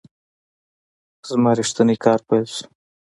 زما ریښتینی کار پیل شو .